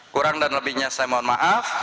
kurang dan lebihnya saya mohon maaf